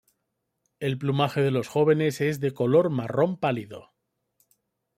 El plumaje de los jóvenes es de color marrón pálido.